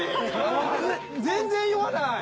全然酔わない。